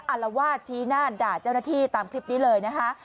อารวาสชี้หน้าด่าเจ้าหน้าที่ตามคลิปนี้เลยนะคะ